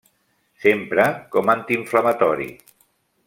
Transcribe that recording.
S'empra com antiinflamatori.